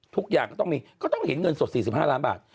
ทุกอย่างก็ต้องมีก็ต้องเห็นเงินสด๔๕ล้านบาท